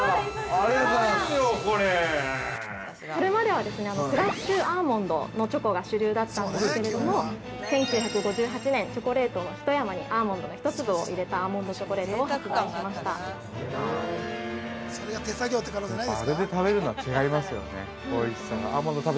これまでは、クラッシュアーモンドのチョコが主流だったんですけれど１９５８年、チョコレートの一山にアーモンドの１粒を入れたアーモンドチョコレートを発売しました。